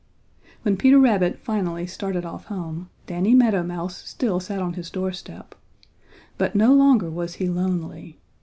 When Peter Rabbit finally started off home Danny Meadow Mouse still sat on his doorstep. But no longer was he lonely.